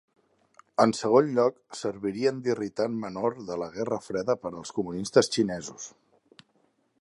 En segon lloc, servirien d'irritant menor de la guerra freda per als comunistes xinesos.